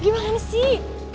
tidak ada yang bisa dikira